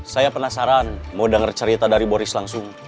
saya penasaran mau dengar cerita dari boris langsung